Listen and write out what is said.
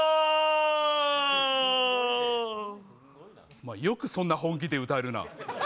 お前、よくそんな本気で歌えるな。